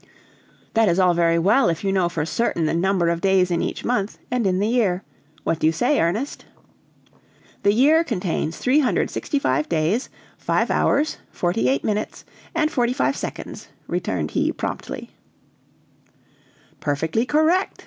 "That is all very well, if you know for certain the number of days in each month, and in the year. What do you say, Ernest?" "The year contains 365 days, 5 hours, 48 minutes, and 45 seconds," returned he promptly. "Perfectly correct!"